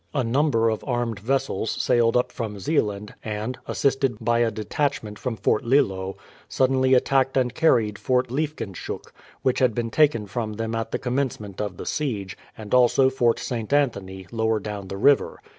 A number of armed vessels sailed up from Zeeland, and, assisted by a detachment from Fort Lillo, suddenly attacked and carried Fort Liefkenshoek, which had been taken from them at the commencement of the siege, and also Fort St. Anthony lower down the river.